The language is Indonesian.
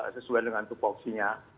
sesuai dengan topoksinya